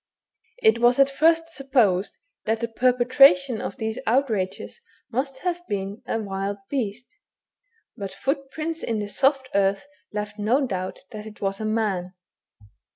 It was at first supposed that the perpetration of these outrages must have been a wild beast, but footprints in the soft earth left no doubt that it was a man.